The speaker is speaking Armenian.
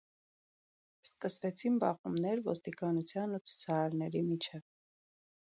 Սկսվեցին բախումներ ոստիկանության ու ցուցարարների միջև։